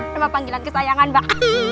nama panggilan kesayangan mbak